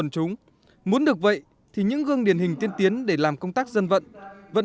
thủ tướng nguyễn xuân phúc